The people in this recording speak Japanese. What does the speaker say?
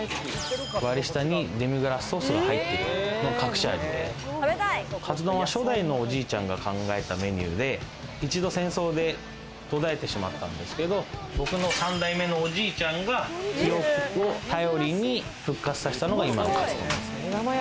割り下にデミグラスソースが入っているのが隠し味で初代のおじいちゃんが考えたメニューで、一度戦争で途絶えてしまったんですけど３代目のおじいちゃんが記憶を頼りに復活させたのが今のカツ丼です。